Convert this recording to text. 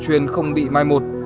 chúng tôi đang bị mai một